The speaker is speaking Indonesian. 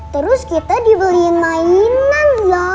terus kita dibeliin mainan loh